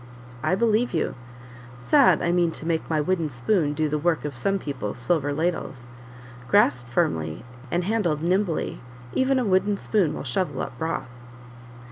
"I believe you; and I mean to make my wooden spoon do the work of some people's silver ladles: grasped firmly, and handled nimbly, even a wooden spoon will shovel up broth."